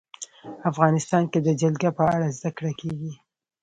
افغانستان کې د جلګه په اړه زده کړه کېږي.